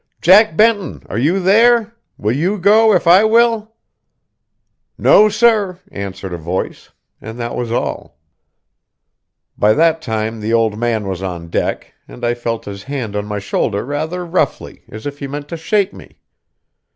"Jack Benton, are you there? Will you go if I will?" "No, sir," answered a voice; and that was all. By that time the old man was on deck, and I felt his hand on my shoulder rather roughly, as if he meant to shake me.